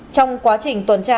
trong quá trình tuần tra